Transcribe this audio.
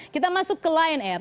kita masuk ke lion air